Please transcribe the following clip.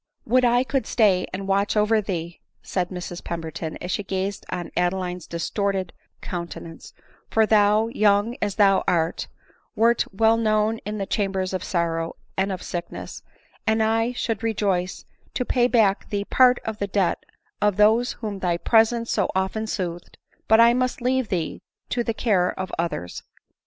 " Would I could stay and watch over thee !" said Mrs Pemberton, as die gazed on Adeline's distorted counte nance ;" for thou, young as thou art, wert well known in the chambers of sorrow and of sickness; and I should rejoice to pay back to thee part of the debt of those whom thy presence so often soothed ; but I must leave thee to the care of others.